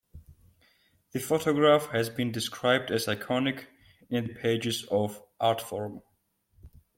The photograph has been described as "iconic" in the pages of "Artforum".